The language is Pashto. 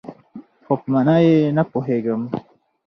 خو، په مانا یې نه پوهیږم